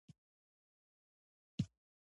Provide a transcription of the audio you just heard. هغه وخت چې لمر ځلېږي هېڅوک نه ورته ګوري.